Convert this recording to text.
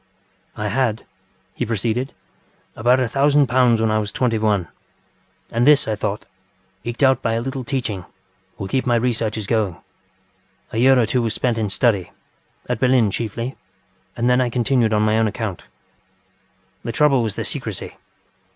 ŌĆ£I had, ŌĆØ he proceeded, ŌĆ£about a thousand pounds when I was twenty one, and this, I thought, eked out by a little teaching, would keep my researches going. A year or two was spent in study, at Berlin chiefly, and then I continued on my own account. The trouble was the secrecy.